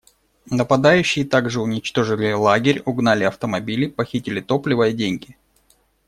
Нападающие также уничтожили лагерь, угнали автомобили, похитили топливо и деньги.